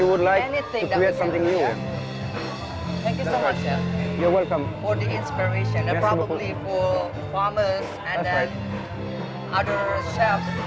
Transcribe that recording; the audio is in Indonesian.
untuk inspirasi mungkin untuk pemakaman dan para chef lain yang bisa terinspirasi untuk membuat seperti ini